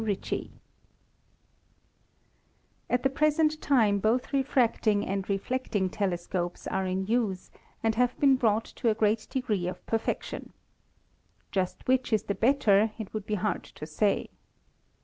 Ritchey. At the present time both refracting and reflecting tele scopes are in use and have been brought to a great degree of perfection. Just which is the better it would be hard to say.